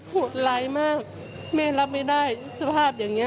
โหดร้ายมากแม่รับไม่ได้สภาพอย่างนี้